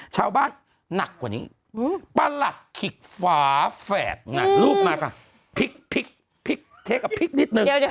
ชาวบ้านหนักกว่านี้ประหลักขิกฟ้าแฝดลูกมาค่ะพลิกพลิกพลิกพลิกนิดนึง